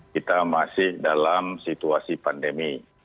kita masih dalam situasi pandemi